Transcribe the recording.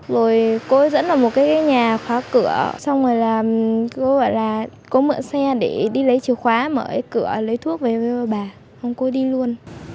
rồi cô ấy dẫn vào một cái nhà khóa cửa xong rồi là cô ấy bảo là cô ấy mượn xe để đi lấy chìa khóa mở cái cửa lấy thuốc về với bà không cô ấy đi luôn